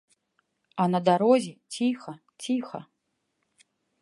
А на дарозе ціха, ціха.